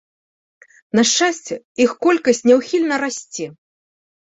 На шчасце, іх колькасць няўхільна расце.